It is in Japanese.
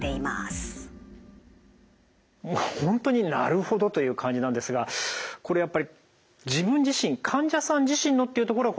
もうほんとになるほどという感じなんですがこれやっぱり自分自身患者さん自身のっていうところが大事なポイントなんでしょうか？